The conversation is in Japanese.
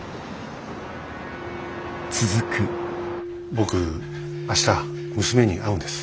僕明日娘に会うんです。